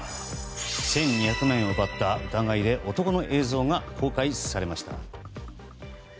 １２００万円を奪った疑いで男の映像が公開されました。